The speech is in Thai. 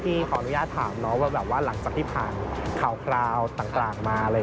พี่ขออนุญาตถามว่าหลังจากที่ผ่านข่าวต่างมา